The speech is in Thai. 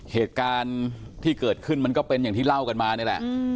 เหตุการณ์ที่เกิดขึ้นมันก็เป็นอย่างที่เล่ากันมานี่แหละ